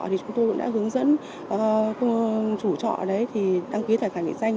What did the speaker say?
thì chúng tôi cũng đã hướng dẫn chủ trọ đấy thì đăng ký tài khoản định danh